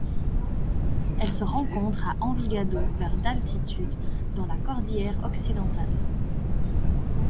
Elle se rencontre à Envigado vers d'altitude dans la cordillère Occidentale.